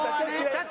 社長。